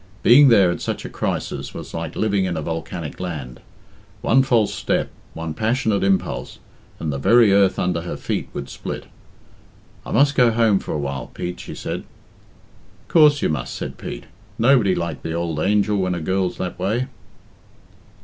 Being there at such a crisis was like living in a volcanic land. One false step, one passionate impulse, and the very earth under her feet would split. "I must go home for awhile, Pete," she said. "Coorse you must," said Pete. "Nobody like the ould angel when a girl's that way."